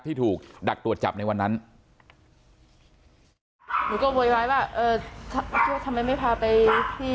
ที่ถูกดักตรวจจับในวันนั้นหนูก็โวยวายว่าเออทำไมไม่พาไปที่